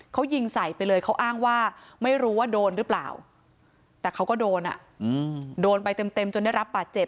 เขายิงใส่ไปเลยเขาอ้างว่าไม่รู้ว่าโดนหรือเปล่าแต่เขาก็โดนโดนไปเต็มจนได้รับบาดเจ็บ